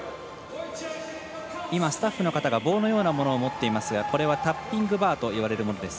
スタッフの方が棒のようなものを持っていますがこれは、タッピングバーといわれるものです。